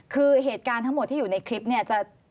คือเหตุการณ์ทั้งหมดที่อยู่ในคลิปเนี่ยจะ